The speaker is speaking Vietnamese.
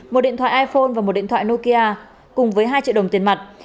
một điện thoại iphone và một điện thoại nokia cùng với hai triệu đồng tiền mặt